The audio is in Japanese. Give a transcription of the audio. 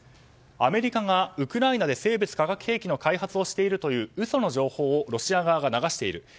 アメリカがウクライナで生物・化学兵器の開発をしているという嘘の情報をロシア側が流している。